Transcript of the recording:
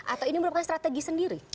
atau ini merupakan strategi sendiri